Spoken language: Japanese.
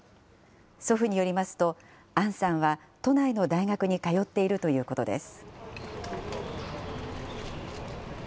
祖父によりますと、杏さんは都内の大学に通っているということです。